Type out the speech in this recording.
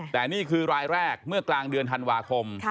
แต่นี่คือรายแรกเมื่อกลางเดือนธันวาคม